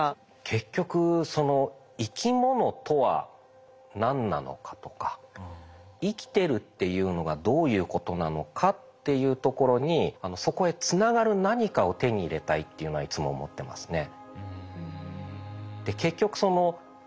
結局その生き物とは何なのかとか生きてるっていうのがどういうことなのかっていうところにそこへつながる何かを手に入れたいっていうのはいつも思ってますね。